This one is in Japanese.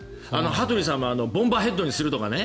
羽鳥さんもボンバーヘッドにするとかね。